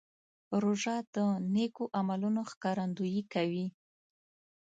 روژه د نیکو عملونو ښکارندویي کوي.